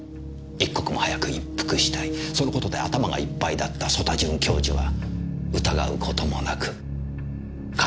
一刻も早く一服したいそのことで頭がいっぱいだった曽田准教授は疑うこともなく彼女の言葉に従った。